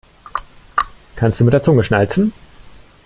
Kannst du mit der Zunge schnalzen?